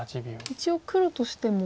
一応黒としても。